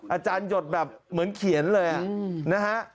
อาจารย์หยดแบบเหมือนเขียนเลยนะฮะ